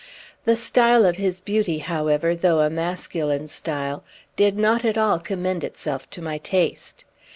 The style of his beauty, however, though a masculine style, did not at all commend itself to my taste.